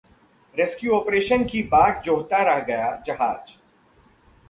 rescue operation की बाट जोहता रह गया जहाज...